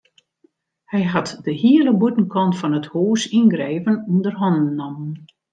Hy hat de hiele bûtenkant fan it hûs yngreven ûnder hannen nommen.